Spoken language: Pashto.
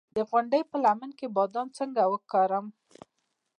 د غونډۍ په لمن کې بادام څنګه وکرم؟